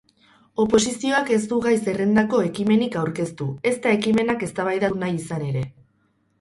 Oposizioak ez du gai-zerrendako ekimenik aurkeztu, ezta ekimenak eztabaidatu nahi izan ere.